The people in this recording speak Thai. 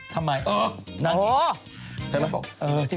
ทำไมเออนั่นอีก